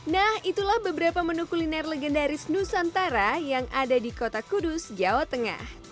nah itulah beberapa menu kuliner legendaris nusantara yang ada di kota kudus jawa tengah